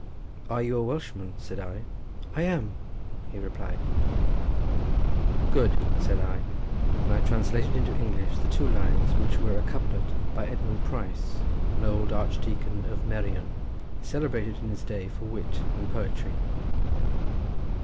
"Are you a Welshman?" said I. "I am!" he replied. "Good!" said I, and I translated into English the two lines which were a couplet by Edmund Price, an old archdeacon of Merion, celebrated in his day for wit and poetry.